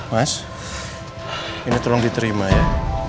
mas ini tolong diterima ya